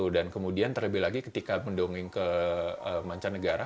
dan kemudian terlebih lagi ketika mendongeng ke mancanegara